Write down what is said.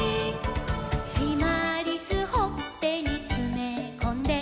「しまりすほっぺにつめこんで」